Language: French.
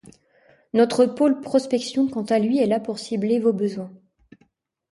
Notre pôle prospection, quant à lui, est là pour cibler vos besoins.